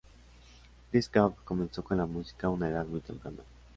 Cris Cab comenzó con la música a una edad muy Temprana.